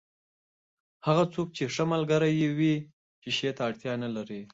هغه څوک چې ښه ملګری يې وي، شیشې ته اړتیا نلري.